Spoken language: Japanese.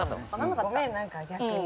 ごめん何か逆に。